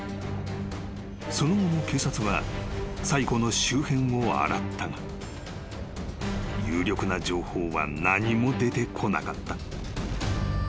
［その後も警察はサイコの周辺を洗ったが有力な情報は何も出てこなかった］